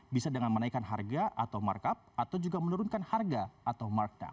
bisa dengan menaikkan harga atau markup atau juga menurunkan harga atau markun